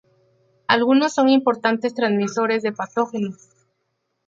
Algunos son importantes transmisores de patógenos.